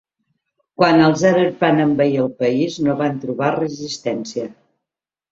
Quan els àrabs van envair el país no van trobar resistència.